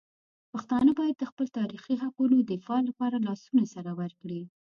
پښتانه باید د خپل تاریخي حقونو دفاع لپاره لاسونه سره ورکړي.